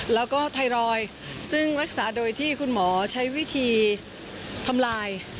แล้วก็ไทรอยด์ซึ่งรักษาโดยที่คุณหมอใช้วิธีทำลาย